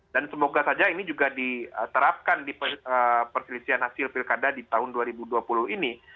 dan semoga saja ini juga diterapkan di perselisihan hasil pilkada di tahun dua ribu dua puluh ini